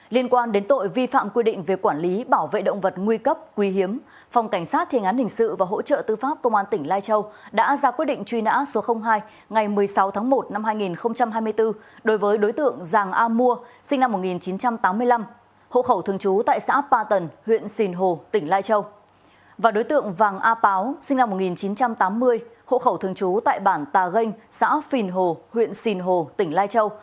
và đối tượng vàng a páo sinh năm một nghìn chín trăm tám mươi hộ khẩu thường chú tại bản tà gênh xã phìn hồ huyện xìn hồ tỉnh lai châu